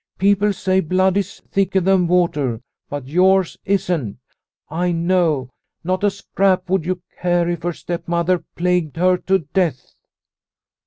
People say blood is thicker than water, but yours isn't, I know. Not a scrap would you care if her stepmother plagued her to death."